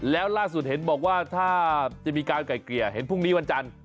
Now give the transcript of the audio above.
แล้วล่าสุดเห็นบอกว่าถ้าจะมีการไกลเกลี่ยเห็นพรุ่งนี้วันจันทร์